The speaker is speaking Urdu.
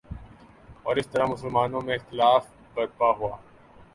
اور اس طرح مسلمانوں میں اختلاف برپا ہوا